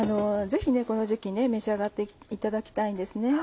ぜひこの時期召し上がっていただきたいんですね。